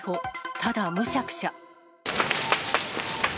ただむしゃくしゃ。